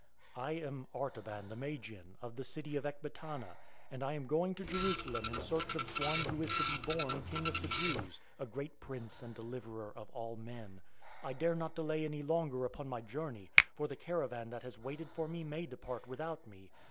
"I am Artaban the Magian, of the city of Ecbatana, and I am going to Jerusalem in search of one who is to be born King of the Jews, a great Prince and Deliverer for all men. I dare not delay any longer upon my journey, for the caravan that has waited for me may depart without me.